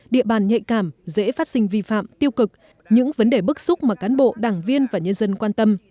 địa bàn nhạy cảm dễ phát sinh vi phạm tiêu cực những vấn đề bức xúc mà cán bộ đảng viên và nhân dân quan tâm